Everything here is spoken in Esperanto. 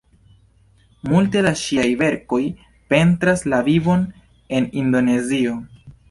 Multe da ŝiaj verkoj pentras la vivon en Indonezio.